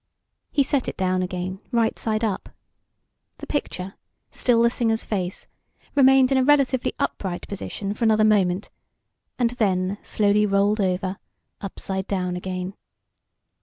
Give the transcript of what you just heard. He set it down again, right side up. The picture, still the singer's face, remained in a relatively upright position for another moment, and then slowly rolled over, upside down again.